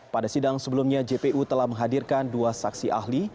pada sidang sebelumnya jpu telah menghadirkan dua saksi ahli